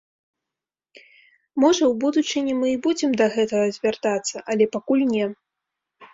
Можа, у будучыні мы і будзем да гэтага звяртацца, але пакуль не.